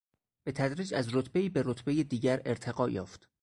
به تدریج از رتبهای به رتبهی دیگر ارتقا یافت.